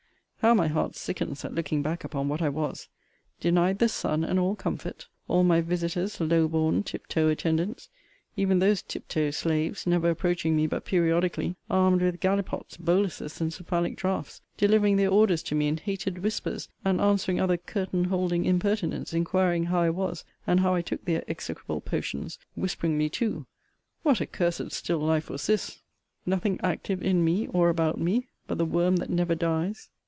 How my heart sickens at looking back upon what I was! Denied the sun, and all comfort: all my visiters low born, tip toe attendants: even those tip toe slaves never approaching me but periodically, armed with gallipots, boluses, and cephalic draughts; delivering their orders to me in hated whispers; and answering other curtain holding impertinents, inquiring how I was, and how I took their execrable potions, whisperingly too! What a cursed still life was this! Nothing active in me, or about me, but the worm that never dies.